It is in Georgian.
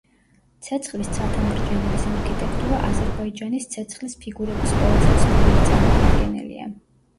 ცეცხლის ცათამბჯენების არქიტექტურა აზერბაიჯანის ცეცხლის ფიგურების ყველაზე ცნობილი წარმომადგენელია.